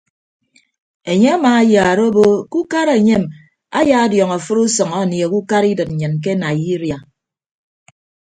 Enye amaayaara obo ke ukara enyem ayaadiọñ afịt usʌñ anieehe ukara idịt nnyịn ke naiyiria.